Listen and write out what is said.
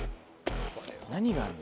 何があるの？